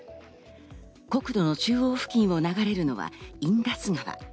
国土の中央付近を流れるのはインダス川。